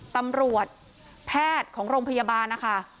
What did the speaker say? ตำรวจแพทย์ของโรงพยาบาลนะคะ